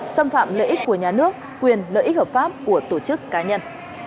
xâm phạm lợi ích của nhà nước quyền lợi ích hợp pháp của tổ chức cá nhân